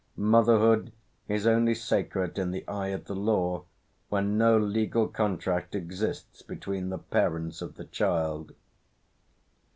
Motherhood is only sacred in the eye of the law when no legal contract exists between the parents of the child.